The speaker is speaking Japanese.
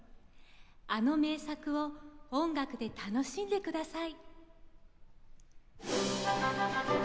あの名作を音楽で楽しんでください。